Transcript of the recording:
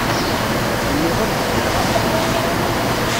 Tenniḍ ad beddleɣ amḍiq